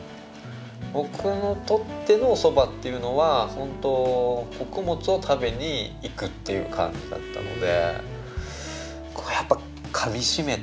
僕にとってのお蕎麦というのは本当穀物を食べに行くという感じだったので。